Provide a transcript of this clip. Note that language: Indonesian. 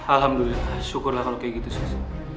alhamdulillah syukurlah kalau kayak gitu sih